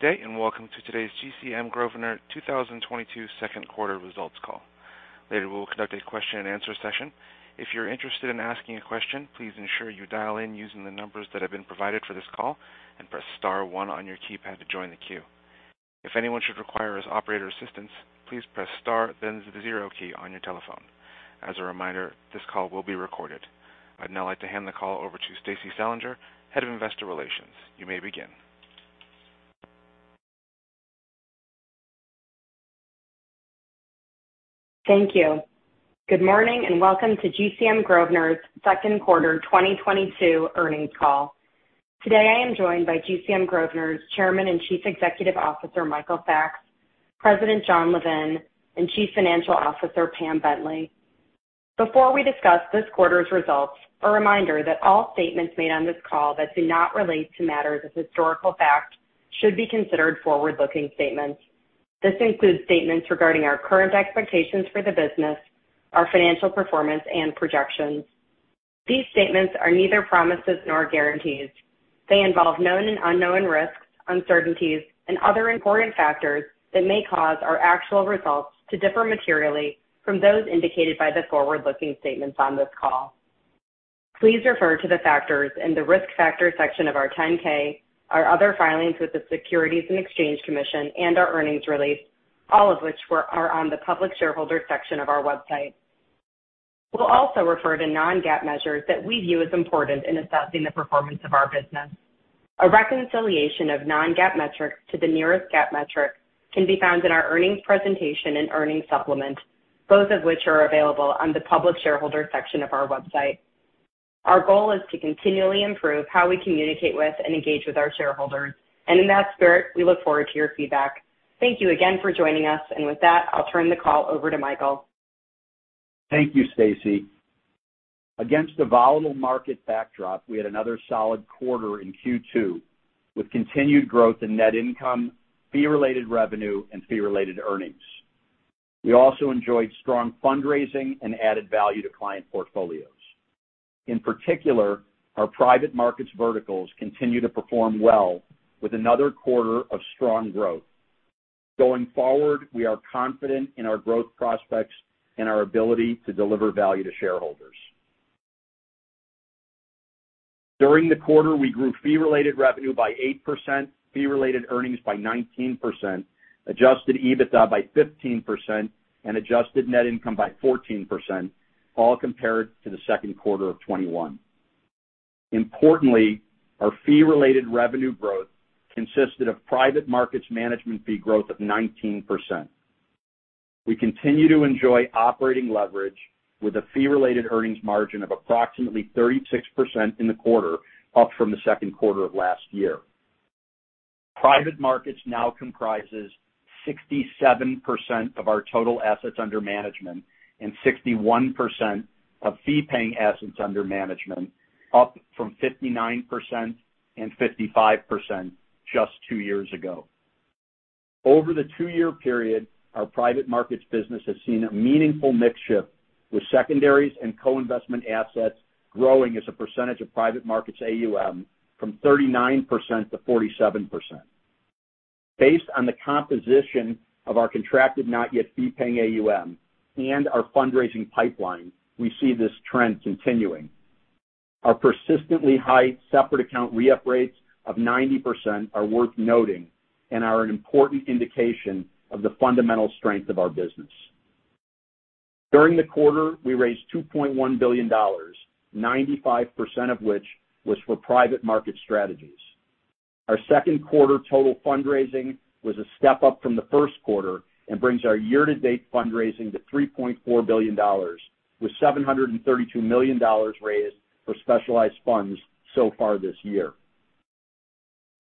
Good day, and welcome to today's GCM Grosvenor 2022 Second Quarter Results call. Later, we'll conduct a question-and-answer session. If you're interested in asking a question, please ensure you dial in using the numbers that have been provided for this call and press star one on your keypad to join the queue. If anyone should require operator assistance, please press star then the zero key on your telephone. As a reminder, this call will be recorded. I'd now like to hand the call over to Stacie Selinger, Head of Investor Relations. You may begin. Thank you. Good morning and welcome to GCM Grosvenor's Second Quarter 2022 Earnings Call. Today, I am joined by GCM Grosvenor's Chairman and Chief Executive Officer, Michael Sacks, President Jon Levin, and Chief Financial Officer Pam Bentley. Before we discuss this quarter's results, a reminder that all statements made on this call that do not relate to matters of historical fact should be considered forward-looking statements. This includes statements regarding our current expectations for the business, our financial performance, and projections. These statements are neither promises nor guarantees. They involve known and unknown risks, uncertainties, and other important factors that may cause our actual results to differ materially from those indicated by the forward-looking statements on this call. Please refer to the factors in the Risk Factors section of our 10-K, our other filings with the Securities and Exchange Commission, and our Earnings Release, all of which are on the Public Shareholders section of our website. We'll also refer to non-GAAP measures that we view as important in assessing the performance of our business. A reconciliation of non-GAAP metrics to the nearest GAAP metric can be found in our earnings presentation and earnings supplement, both of which are available on the Public Shareholders section of our website. Our goal is to continually improve how we communicate with and engage with our shareholders, and in that spirit, we look forward to your feedback. Thank you again for joining us, and with that, I'll turn the call over to Michael. Thank you, Stacie. Against a volatile market backdrop, we had another solid quarter in Q2, with continued growth in net income, fee-related revenue, and fee-related earnings. We also enjoyed strong fundraising and added value to client portfolios. In particular, our private markets verticals continue to perform well with another quarter of strong growth. Going forward, we are confident in our growth prospects and our ability to deliver value to shareholders. During the quarter, we grew fee-related revenue by 8%, fee-related earnings by 19%, adjusted EBITDA by 15%, and adjusted net income by 14%, all compared to the second quarter of 2021. Importantly, our fee-related revenue growth consisted of private markets management fee growth of 19%. We continue to enjoy operating leverage with a fee-related earnings margin of approximately 36% in the quarter, up from the second quarter of last year. Private markets now comprises 67% of our total assets under management and 61% of fee-paying assets under management, up from 59% and 55% just two years ago. Over the two-year period, our private markets business has seen a meaningful mix shift, with secondaries and co-investment assets growing as a percentage of private markets AUM from 39%-47%. Based on the composition of our Contracted-Not-Yet-Fee-Paying AUM and our fundraising pipeline, we see this trend continuing. Our persistently high separate account re-up rates of 90% are worth noting and are an important indication of the fundamental strength of our business. During the quarter, we raised $2.1 billion, 95% of which was for private market strategies. Our second quarter total fundraising was a step up from the first quarter and brings our year-to-date fundraising to $3.4 billion, with $732 million raised for specialized funds so far this year.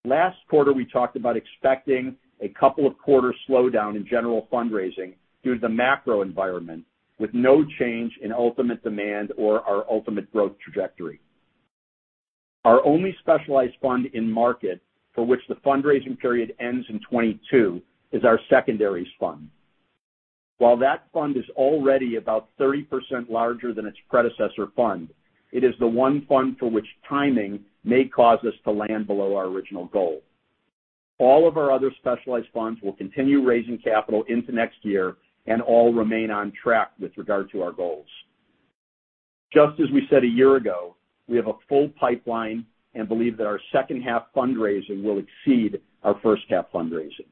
Last quarter, we talked about expecting a couple of quarters slowdown in general fundraising due to the macro environment with no change in ultimate demand or our ultimate growth trajectory. Our only specialized fund in market for which the fundraising period ends in 2022 is our secondaries fund. While that fund is already about 30% larger than its predecessor fund, it is the one fund for which timing may cause us to land below our original goal. All of our other specialized funds will continue raising capital into next year, and all remain on track with regard to our goals. Just as we said a year ago, we have a full pipeline and believe that our second half fundraising will exceed our first half fundraising.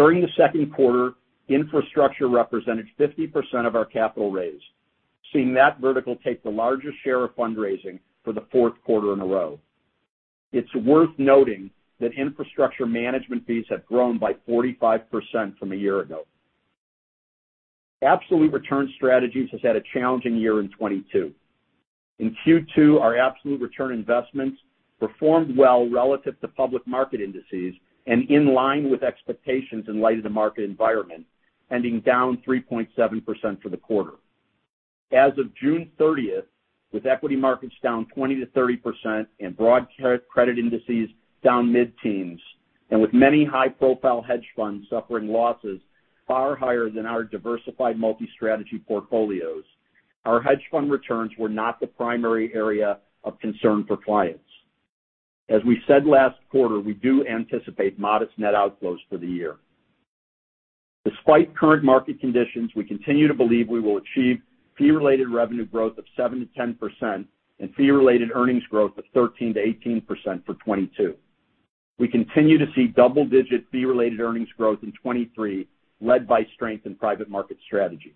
During the second quarter, infrastructure represented 50% of our capital raise, seeing that vertical take the largest share of fundraising for the fourth quarter in a row. It's worth noting that infrastructure management fees have grown by 45% from a year ago. Absolute return strategies has had a challenging year in 2022. In Q2, our absolute return investments performed well relative to public market indices and in line with expectations in light of the market environment, ending down 3.7% for the quarter. As of June 30th, with equity markets down 20%-30% and broad credit indices down mid-teens percent, and with many high-profile hedge funds suffering losses far higher than our diversified multi-strategy portfolios. Our hedge fund returns were not the primary area of concern for clients. As we said last quarter, we do anticipate modest net outflows for the year. Despite current market conditions, we continue to believe we will achieve fee-related revenue growth of 7%-10% and fee-related earnings growth of 13%-18% for 2022. We continue to see double-digit fee-related earnings growth in 2023, led by strength in private markets strategies.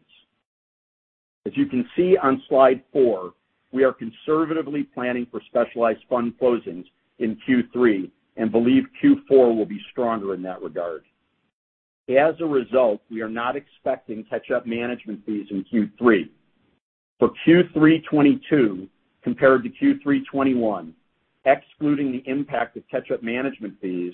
As you can see on slide four, we are conservatively planning for specialized fund closings in Q3 and believe Q4 will be stronger in that regard. As a result, we are not expecting catch-up management fees in Q3. For Q3 2022 compared to Q3 2021, excluding the impact of catch-up management fees,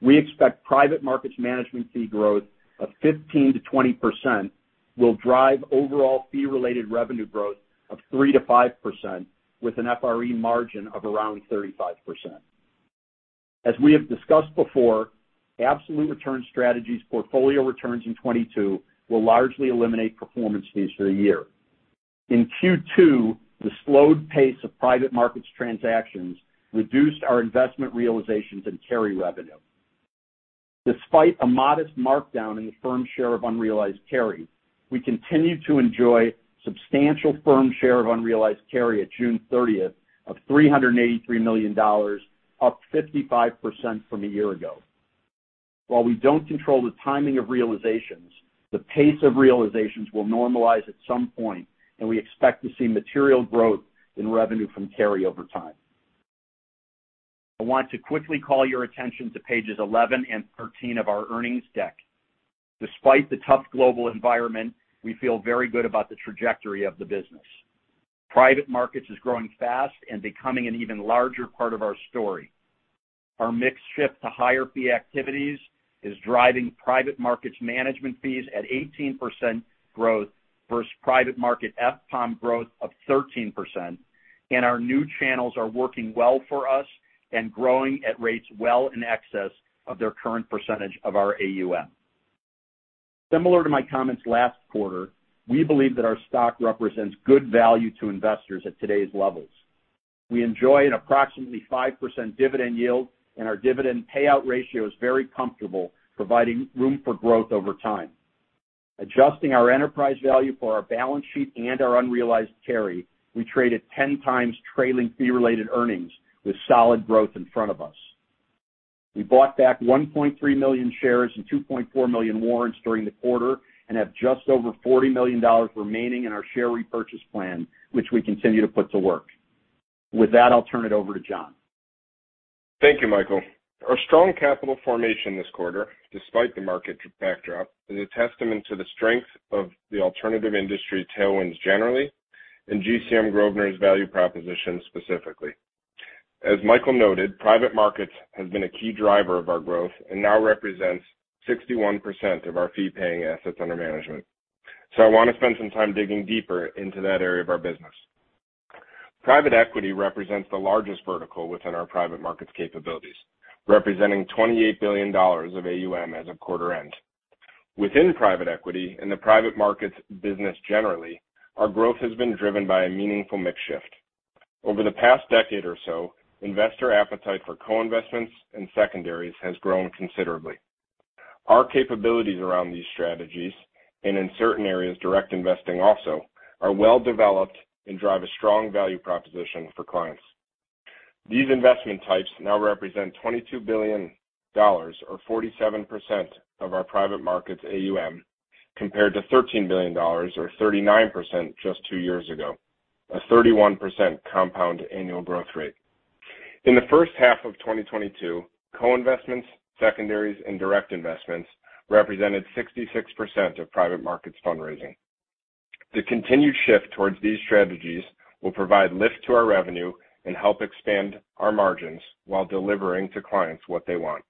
we expect private markets management fee growth of 15%-20% will drive overall fee-related revenue growth of 3%-5% with an FRE margin of around 35%. As we have discussed before, Absolute return strategies portfolio returns in 2022 will largely eliminate performance fees for the year. In Q2, the slowed pace of private markets transactions reduced our investment realizations and carry revenue. Despite a modest markdown in the firm's share of unrealized carry, we continue to enjoy substantial firm share of unrealized carry at June 30th of $383 million, up 55% from a year ago. While we don't control the timing of realizations, the pace of realizations will normalize at some point, and we expect to see material growth in revenue from carry over time. I want to quickly call your attention to pages 11 and 13 of our earnings deck. Despite the tough global environment, we feel very good about the trajectory of the business. Private markets is growing fast and becoming an even larger part of our story. Our mix shift to higher fee activities is driving private markets management fees at 18% growth versus private market FPAUM growth of 13%. Our new channels are working well for us and growing at rates well in excess of their current percentage of our AUM. Similar to my comments last quarter, we believe that our stock represents good value to investors at today's levels. We enjoy an approximately 5% dividend yield, and our dividend payout ratio is very comfortable, providing room for growth over time. Adjusting our enterprise value for our balance sheet and our unrealized carry, we trade at 10 times trailing fee-related earnings with solid growth in front of us. We bought back 1.3 million shares and 2.4 million warrants during the quarter and have just over $40 million remaining in our share repurchase plan, which we continue to put to work. With that, I'll turn it over to Jon. Thank you, Michael. Our strong capital formation this quarter, despite the market backdrop, is a testament to the strength of the alternative industry tailwinds generally and GCM Grosvenor's value proposition specifically. As Michael noted, private markets has been a key driver of our growth and now represents 61% of our fee-paying assets under management. I want to spend some time digging deeper into that area of our business. Private equity represents the largest vertical within our private markets capabilities, representing $28 billion of AUM as of quarter end. Within private equity and the private markets business generally, our growth has been driven by a meaningful mix shift. Over the past decade or so, investor appetite for co-investments and secondaries has grown considerably. Our capabilities around these strategies, and in certain areas, direct investing also, are well developed and drive a strong value proposition for clients. These investment types now represent $22 billion or 47% of our private markets AUM, compared to $13 billion or 39% just two years ago. A 31% compound annual growth rate. In the first half of 2022, co-investments, secondaries, and direct investments represented 66% of private markets fundraising. The continued shift towards these strategies will provide lift to our revenue and help expand our margins while delivering to clients what they want.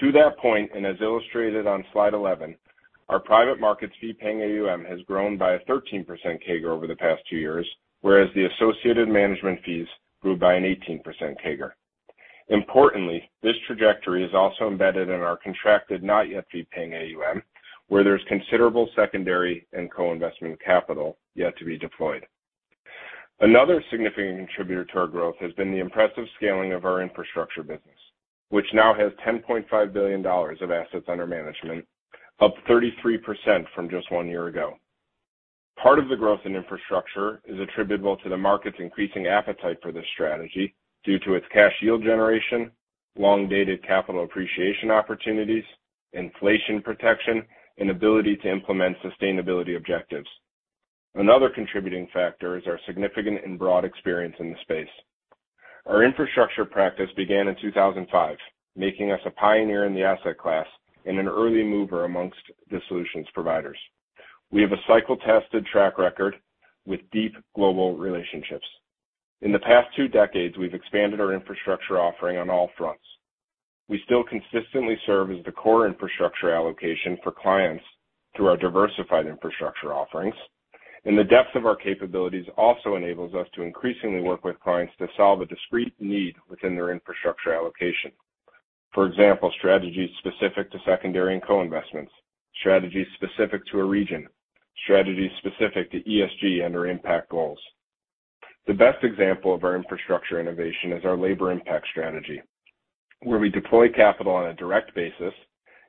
To that point, and as illustrated on slide 11, our private markets fee-paying AUM has grown by a 13% CAGR over the past two years, whereas the associated management fees grew by an 18% CAGR. Importantly, this trajectory is also embedded in our Contracted-Not-Yet-Fee-Paying AUM, where there's considerable secondary and co-investment capital yet to be deployed. Another significant contributor to our growth has been the impressive scaling of our infrastructure business, which now has $10.5 billion of assets under management, up 33% from just one year ago. Part of the growth in infrastructure is attributable to the market's increasing appetite for this strategy due to its cash yield generation, long-dated capital appreciation opportunities, inflation protection, and ability to implement sustainability objectives. Another contributing factor is our significant and broad experience in the space. Our infrastructure practice began in 2005, making us a pioneer in the asset class and an early mover amongst the solutions providers. We have a cycle-tested track record with deep global relationships. In the past two decades, we've expanded our infrastructure offering on all fronts. We still consistently serve as the core infrastructure allocation for clients through our diversified infrastructure offerings, and the depth of our capabilities also enables us to increasingly work with clients to solve a discrete need within their infrastructure allocation. For example, strategies specific to secondaries and co-investments, strategies specific to a region, strategies specific to ESG and/or impact goals. The best example of our infrastructure innovation is our labor impact strategy, where we deploy capital on a direct basis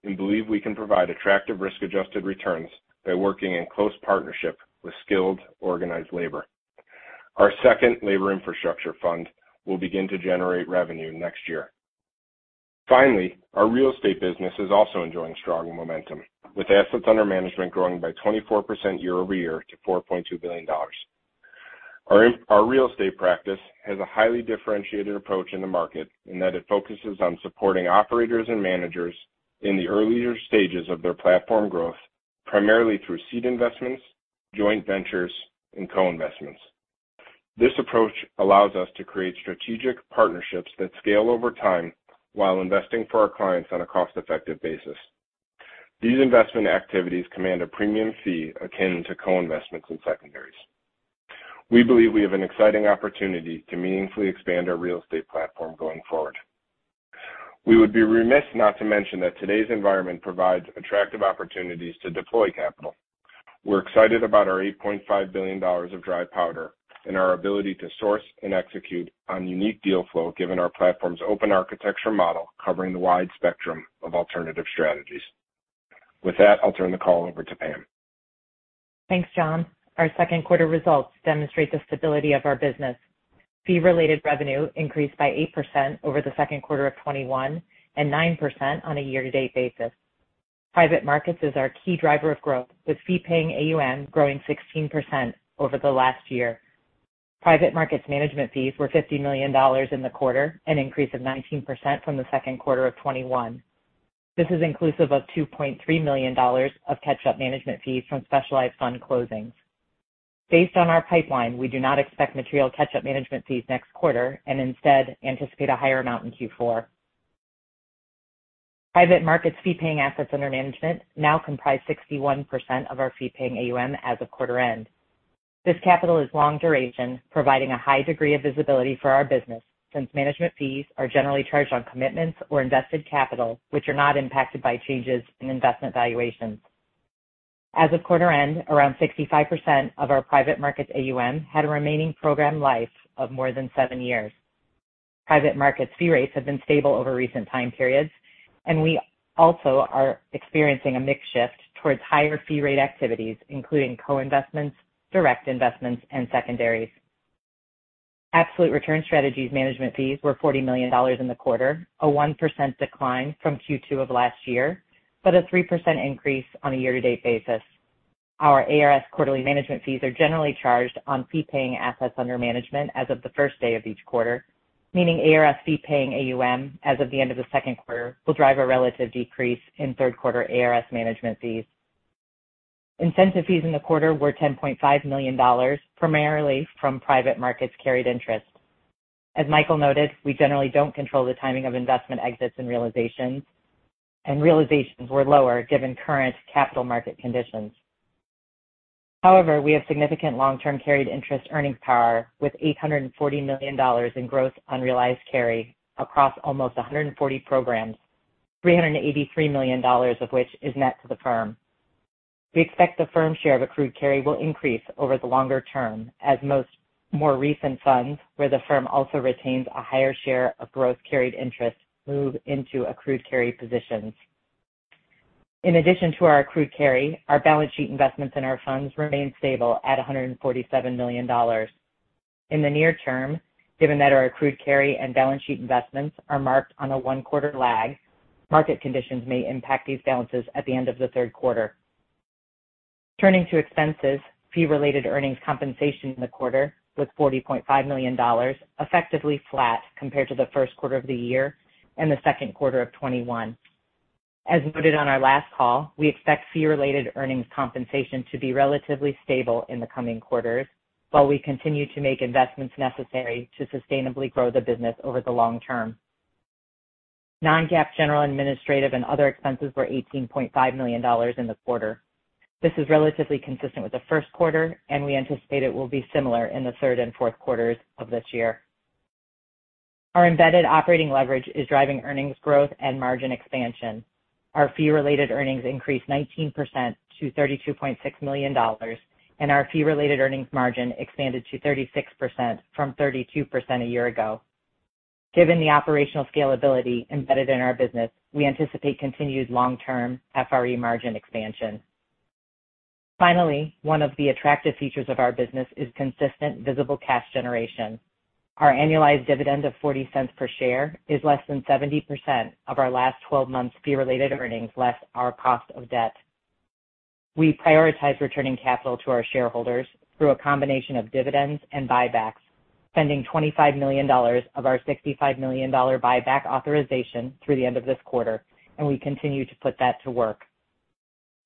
and believe we can provide attractive risk-adjusted returns by working in close partnership with skilled, organized labor. Our second labor infrastructure fund will begin to generate revenue next year. Finally, our real estate business is also enjoying strong momentum, with assets under management growing by 24% year-over-year to $4.2 billion. Our real estate practice has a highly differentiated approach in the market in that it focuses on supporting operators and managers in the earlier stages of their platform growth, primarily through seed investments, joint ventures, and co-investments. This approach allows us to create strategic partnerships that scale over time while investing for our clients on a cost-effective basis. These investment activities command a premium fee akin to co-investments and secondaries. We believe we have an exciting opportunity to meaningfully expand our real estate platform going forward. We would be remiss not to mention that today's environment provides attractive opportunities to deploy capital. We're excited about our $8.5 billion of dry powder and our ability to source and execute on unique deal flow, given our platform's open architecture model covering the wide spectrum of alternative strategies. With that, I'll turn the call over to Pam. Thanks, Jon. Our second quarter results demonstrate the stability of our business. Fee-related revenue increased by 8% over the second quarter of 2021, and 9% on a year-to-date basis. Private markets is our key driver of growth, with fee-paying AUM growing 16% over the last year. Private markets management fees were $50 million in the quarter, an increase of 19% from the second quarter of 2021. This is inclusive of $2.3 million of catch-up management fees from specialized fund closings. Based on our pipeline, we do not expect material catch-up management fees next quarter and instead anticipate a higher amount in Q4. Private markets fee-paying assets under management now comprise 61% of our fee-paying AUM as of quarter end. This capital is long duration, providing a high degree of visibility for our business since management fees are generally charged on commitments or invested capital, which are not impacted by changes in investment valuations. As of quarter end, around 65% of our private markets AUM had a remaining program life of more than seven years. Private markets fee rates have been stable over recent time periods, and we also are experiencing a mix shift towards higher fee rate activities, including co-investments, direct investments, and secondaries. Absolute return strategies management fees were $40 million in the quarter, a 1% decline from Q2 of last year, but a 3% increase on a year-to-date basis. Our ARS quarterly management fees are generally charged on fee-paying assets under management as of the first day of each quarter, meaning ARS fee-paying AUM as of the end of the second quarter will drive a relative decrease in third quarter ARS management fees. Incentive fees in the quarter were $10.5 million, primarily from private markets carried interest. As Michael noted, we generally don't control the timing of investment exits and realizations, and realizations were lower given current capital market conditions. However, we have significant long-term carried interest earnings power with $840 million in gross unrealized carry across almost 140 programs, $383 million of which is net to the firm. We expect the firm's share of accrued carry will increase over the longer term as most more recent funds, where the firm also retains a higher share of gross carried interest, move into accrued carry positions. In addition to our accrued carry, our balance sheet investments in our funds remain stable at $147 million. In the near term, given that our accrued carry and balance sheet investments are marked on a one-quarter lag, market conditions may impact these balances at the end of the third quarter. Turning to expenses, fee-related earnings compensation in the quarter was $40.5 million, effectively flat compared to the first quarter of the year and the second quarter of 2021. As noted on our last call, we expect fee-related earnings compensation to be relatively stable in the coming quarters while we continue to make investments necessary to sustainably grow the business over the long term. Non-GAAP general administrative and other expenses were $18.5 million in the quarter. This is relatively consistent with the first quarter, and we anticipate it will be similar in the third and fourth quarters of this year. Our embedded operating leverage is driving earnings growth and margin expansion. Our fee-related earnings increased 19% to $32.6 million, and our fee-related earnings margin expanded to 36% from 32% a year ago. Given the operational scalability embedded in our business, we anticipate continued long-term FRE margin expansion. Finally, one of the attractive features of our business is consistent visible cash generation. Our annualized dividend of $0.40 per share is less than 70% of our last 12 months fee-related earnings less our cost of debt. We prioritize returning capital to our shareholders through a combination of dividends and buybacks, spending $25 million of our $65 million buyback authorization through the end of this quarter, and we continue to put that to work.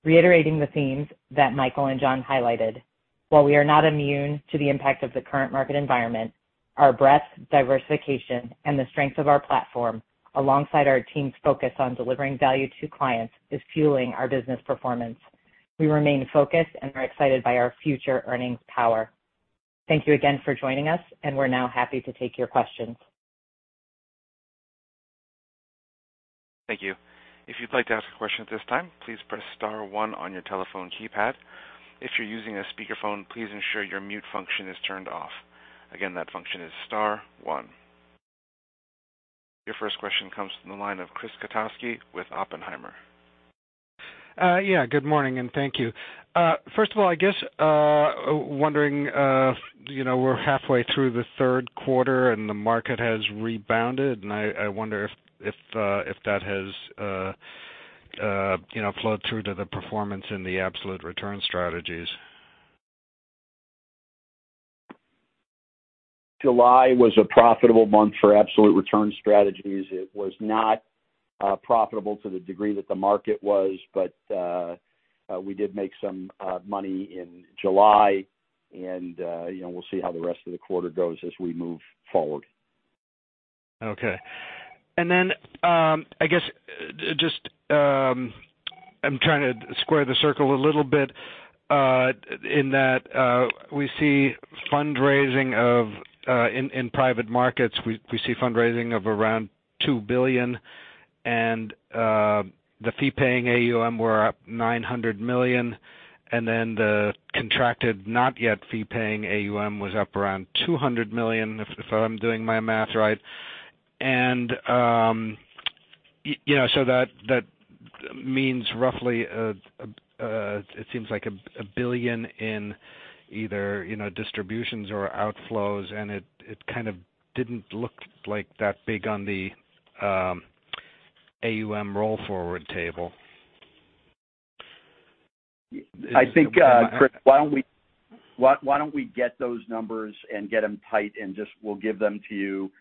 Reiterating the themes that Michael and Jon highlighted, while we are not immune to the impact of the current market environment, our breadth, diversification, and the strength of our platform, alongside our team's focus on delivering value to clients, is fueling our business performance. We remain focused and are excited by our future earnings power. Thank you again for joining us, and we're now happy to take your questions. Thank you. If you'd like to ask a question at this time, please press star one on your telephone keypad. If you're using a speakerphone, please ensure your mute function is turned off. Again, that function is star one. Your first question comes from the line of Chris Kotowski with Oppenheimer. Yeah, good morning, and thank you. You know, we're halfway through the third quarter, and the market has rebounded. I wonder if that has, you know, flowed through to the performance in the absolute return strategies. July was a profitable month for absolute return strategies. It was not profitable to the degree that the market was, but we did make some money in July, and you know, we'll see how the rest of the quarter goes as we move forward. Okay. I guess just I'm trying to square the circle a little bit in that we see fundraising of, in private markets. We see fundraising of around $2 billion, and the fee-paying AUM were up $900 million, and then the Contracted-Not-Yet-Fee-Paying AUM was up around $200 million, if I'm doing my math right. You know that means roughly it seems like $1 billion in either you know distributions or outflows, and it kind of didn't look like that big on the AUM roll forward table. I think, Chris, why don't we get those numbers and get them tight, and just we'll give them to you,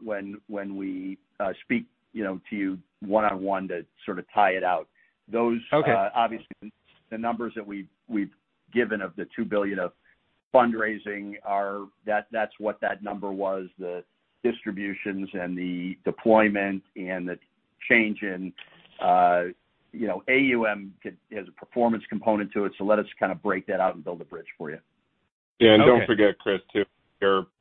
when we speak, you know, to you one-on-one to sort of tie it out. Okay. Those, obviously, the numbers that we've given of the $2 billion of fundraising are, that's what that number was. The distributions and the deployment and the change in, you know, AUM has a performance component to it. Let us kind of break that out and build a bridge for you. Yeah. Okay. Don't forget, Chris, too,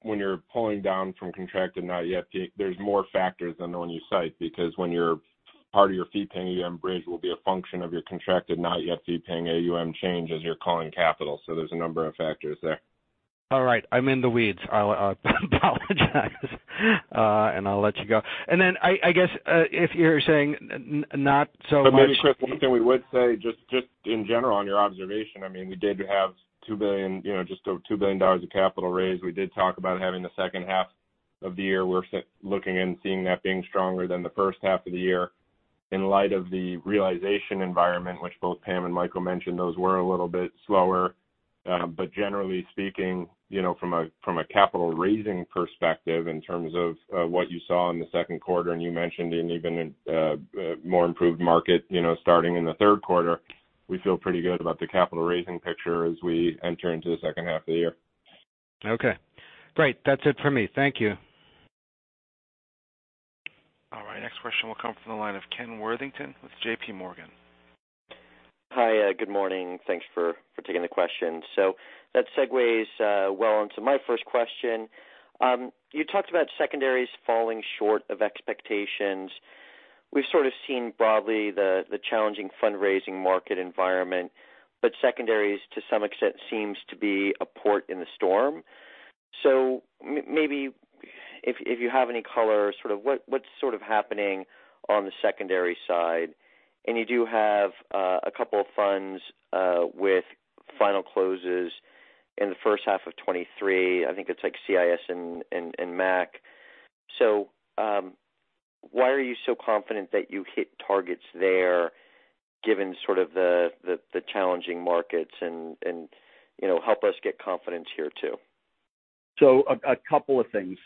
when you're pulling down from Contracted-Not-Yet, there's more factors than the one you cite, because part of your fee-paying AUM bridge will be a function of your Contracted-Not-Yet-Fee-Paying AUM change as you're calling capital. There's a number of factors there. All right. I'm in the weeds. I'll apologize, and I'll let you go. I guess if you're saying not so much. Maybe, Chris, one thing we would say, just in general on your observation, I mean, we did have $2 billion, you know, just $2 billion of capital raised. We did talk about having the second half of the year. We're looking and seeing that being stronger than the first half of the year. In light of the realization environment, which both Pam and Michael mentioned, those were a little bit slower. But generally speaking, you know, from a capital raising perspective in terms of what you saw in the second quarter, and you mentioned an even more improved market, you know, starting in the third quarter, we feel pretty good about the capital raising picture as we enter into the second half of the year. Okay, great. That's it for me. Thank you. All right. Next question will come from the line of Ken Worthington with JPMorgan. Hi. Good morning. Thanks for taking the question. That segues well into my first question. You talked about secondaries falling short of expectations. We've sort of seen broadly the challenging fundraising market environment, but secondaries to some extent seems to be a port in the storm. Maybe if you have any color, sort of what's sort of happening on the secondary side? You do have a couple of funds with final closes in the first half of 2023. I think it's like CIS and MAC. Why are you so confident that you hit targets there, given sort of the challenging markets? You know, help us get confidence here too. A couple of things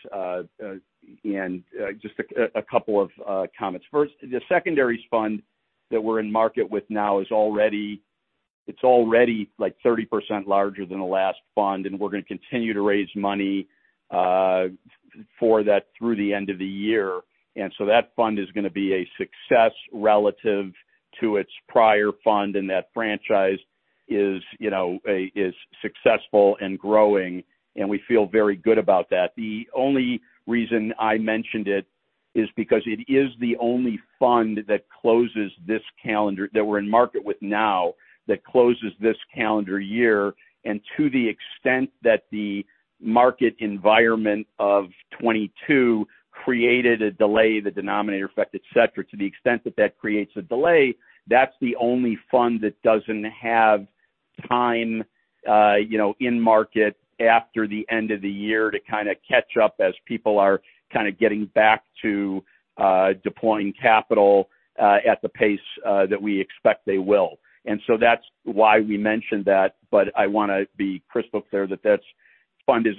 and just a couple of comments. First, the secondaries fund that we're in market with now is already like 30% larger than the last fund, and we're gonna continue to raise money for that through the end of the year. That fund is gonna be a success relative to its prior fund, and that franchise is, you know, successful and growing, and we feel very good about that. The only reason I mentioned it is because it is the only fund that closes this calendar that we're in market with now that closes this calendar year. To the extent that the market environment of 2022 created a delay, the denominator effect, et cetera, to the extent that that creates a delay, that's the only fund that doesn't have time in market after the end of the year to kind of catch up as people are kind of getting back to deploying capital at the pace that we expect they will. That's why we mentioned that. I want to be clear up front that that fund is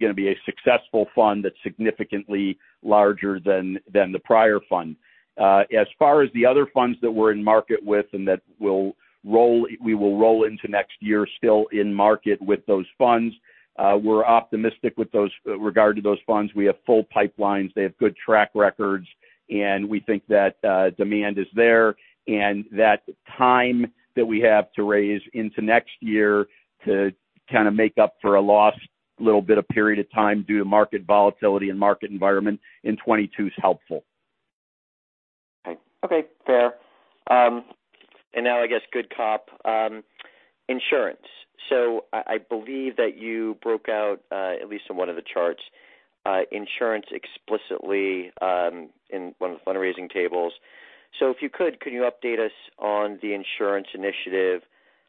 gonna be a successful fund that's significantly larger than the prior fund. As far as the other funds that we're in market with and that we will roll into next year still in market with those funds, we're optimistic with regard to those funds. We have full pipelines. They have good track records, and we think that, demand is there. That time that we have to raise into next year to kind of make up for a little bit of period of time due to market volatility and market environment in 2022 is helpful. Okay. Fair. Now I guess good cop insurance. I believe that you broke out at least in one of the charts insurance explicitly in one of the fundraising tables. If you could update us on the insurance initiative,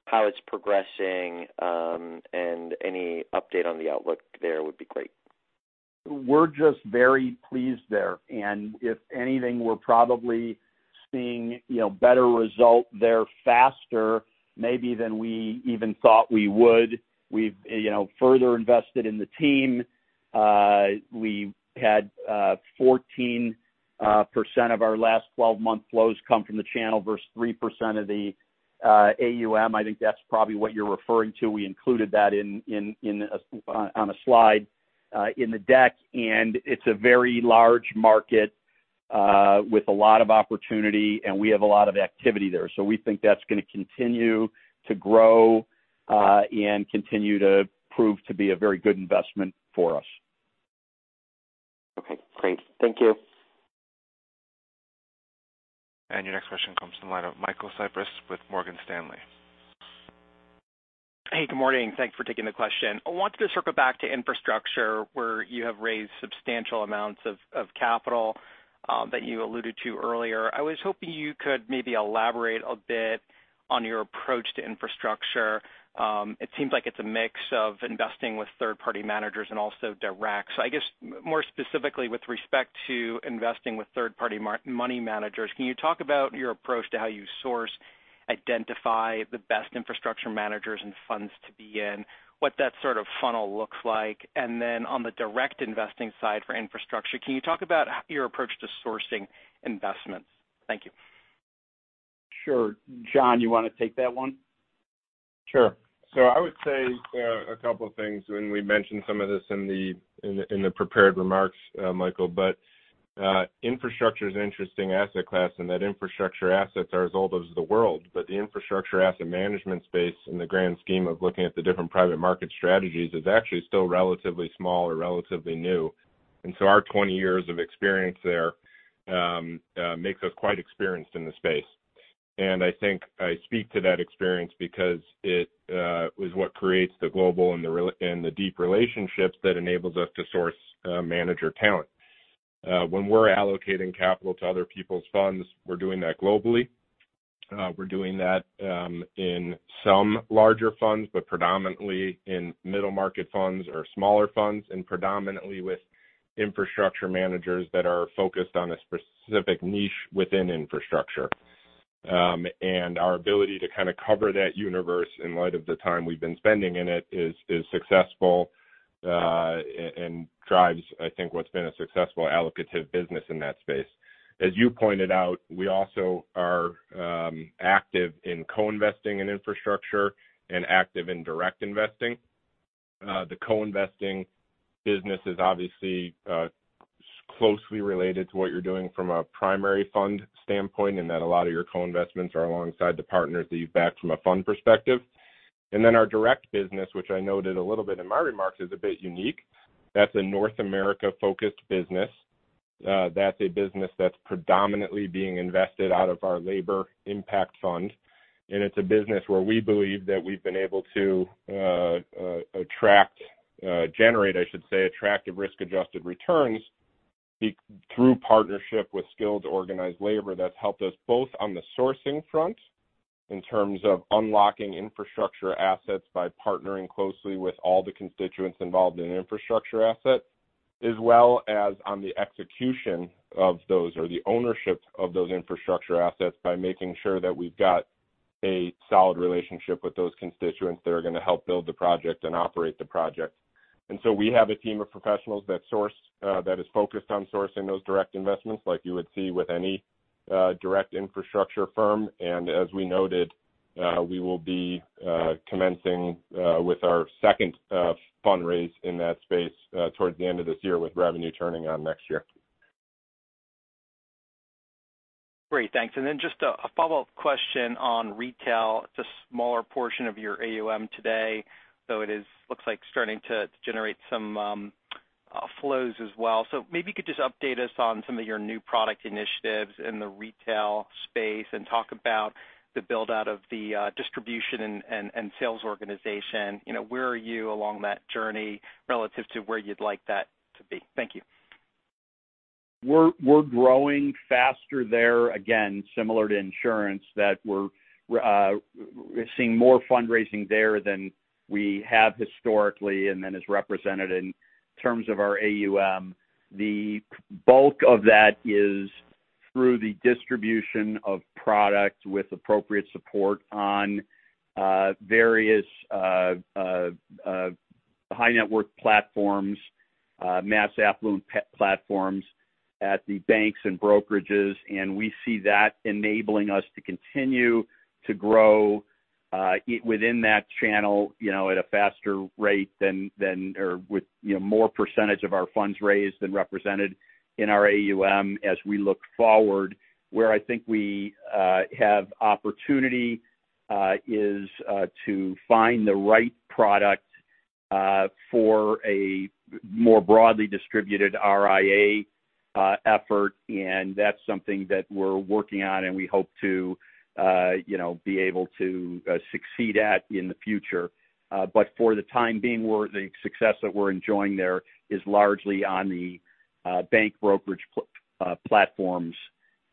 how it's progressing, and any update on the outlook there would be great. We're just very pleased there. If anything, we're probably seeing, you know, better result there faster maybe than we even thought we would. We've, you know, further invested in the team. We had 14% of our last 12-month flows come from the channel versus 3% of the AUM. I think that's probably what you're referring to. We included that on a slide in the deck. It's a very large market with a lot of opportunity, and we have a lot of activity there. We think that's gonna continue to grow and continue to prove to be a very good investment for us. Okay, great. Thank you. Your next question comes from the line of Michael Cyprys with Morgan Stanley. Hey, good morning. Thanks for taking the question. I wanted to circle back to infrastructure, where you have raised substantial amounts of capital that you alluded to earlier. I was hoping you could maybe elaborate a bit on your approach to infrastructure. It seems like it's a mix of investing with third-party money managers and also direct. I guess more specifically with respect to investing with third-party money managers, can you talk about your approach to how you source, identify the best infrastructure managers and funds to be in, what that sort of funnel looks like? Then on the direct investing side for infrastructure, can you talk about your approach to sourcing investments? Thank you. Sure. Jon, you wanna take that one? Sure. I would say a couple of things. We mentioned some of this in the prepared remarks, Michael. Infrastructure is an interesting asset class, and infrastructure assets are as old as the world. The infrastructure asset management space in the grand scheme of looking at the different private market strategies is actually still relatively small or relatively new. Our 20 years of experience there makes us quite experienced in the space. I think I speak to that experience because it is what creates the global and the deep relationships that enables us to source manager talent. When we're allocating capital to other people's funds, we're doing that globally. We're doing that in some larger funds, but predominantly in middle-market funds or smaller funds, and predominantly with infrastructure managers that are focused on a specific niche within infrastructure. Our ability to kinda cover that universe in light of the time we've been spending in it is successful and drives, I think, what's been a successful allocative business in that space. As you pointed out, we also are active in co-investing in infrastructure and active in direct investing. The co-investing business is obviously closely related to what you're doing from a primary fund standpoint, in that a lot of your co-investments are alongside the partners that you back from a fund perspective. Then our direct business, which I noted a little bit in my remarks, is a bit unique. That's a North America-focused business. That's a business that's predominantly being invested out of our labor impact fund. It's a business where we believe that we've been able to generate, I should say, attractive risk-adjusted returns through partnership with skilled organized labor that's helped us both on the sourcing front in terms of unlocking infrastructure assets by partnering closely with all the constituents involved in an infrastructure asset, as well as on the execution of those or the ownership of those infrastructure assets by making sure that we've got a solid relationship with those constituents that are gonna help build the project and operate the project. We have a team of professionals that is focused on sourcing those direct investments like you would see with any direct infrastructure firm. As we noted, we will be commencing with our second fundraise in that space towards the end of this year, with revenue turning on next year. Great. Thanks. Then just a follow-up question on retail. It's a smaller portion of your AUM today, so it looks like starting to generate some flows as well. Maybe you could just update us on some of your new product initiatives in the retail space and talk about the build-out of the distribution and sales organization. You know, where are you along that journey relative to where you'd like that to be? Thank you. We're growing faster there, again, similar to insurance, that we're seeing more fundraising there than we have historically and then is represented in terms of our AUM. The bulk of that is through the distribution of product with appropriate support on various high net worth platforms, mass affluent platforms at the banks and brokerages. We see that enabling us to continue to grow within that channel, you know, at a faster rate than or with, you know, more percentage of our funds raised than represented in our AUM as we look forward. Where I think we have opportunity is to find the right product for a more broadly distributed RIA effort. That's something that we're working on, and we hope to, you know, be able to succeed at in the future. For the time being, the success that we're enjoying there is largely on the bank brokerage platforms.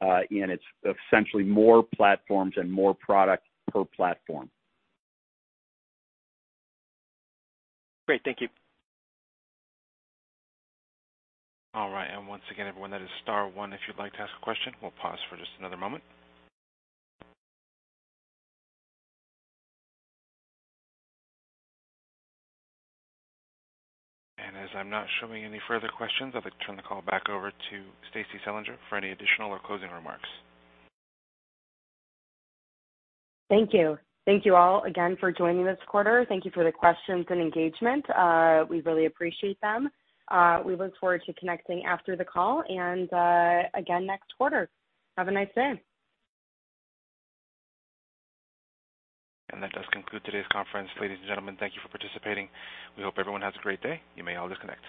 It's essentially more platforms and more product per platform. Great. Thank you. All right. Once again, everyone, that is star one if you'd like to ask a question. We'll pause for just another moment. As I'm not showing any further questions, I'd like to turn the call back over to Stacie Selinger for any additional or closing remarks. Thank you. Thank you all again for joining this quarter. Thank you for the questions and engagement. We really appreciate them. We look forward to connecting after the call and, again next quarter. Have a nice day. That does conclude today's conference. Ladies and gentlemen, thank you for participating. We hope everyone has a great day. You may all disconnect.